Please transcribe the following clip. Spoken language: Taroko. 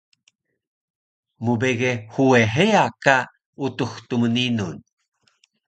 mbege huwe heya ka Utux Tmninun